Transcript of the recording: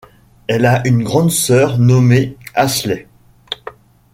Elle a une grande sœur nommée Ashley.